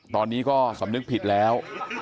ตอนนี้ก็สำนึกผิดแล้ว